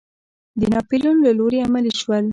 د ناپیلیون له لوري عملي شول.